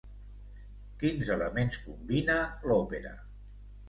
Quins elements combina l'òpera?